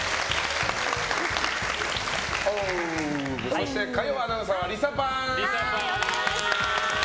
そして、火曜アナウンサーはリサパン！